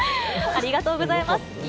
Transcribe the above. ありがとうございます。